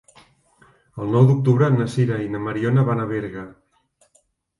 El nou d'octubre na Sira i na Mariona van a Berga.